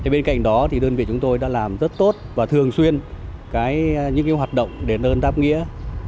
bên cạnh đó đơn vị chúng tôi đã làm rất tốt và thường xuyên những hoạt động đền ơn đáp nghĩa